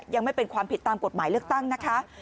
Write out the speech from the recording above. ยังไม่เป็นความผิดตามกฎหมายเลือกตั้งนะคะ